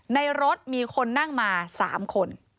ในรถมีคนนั่งมา๓คน